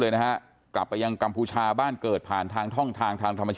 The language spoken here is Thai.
เลยนะฮะกลับไปยังกัมพูชาบ้านเกิดผ่านทางช่องทางทางธรรมชาติ